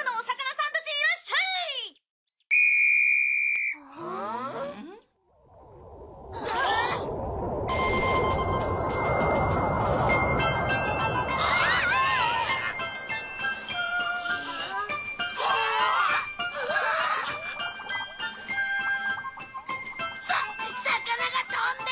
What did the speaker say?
さ魚が飛んでる！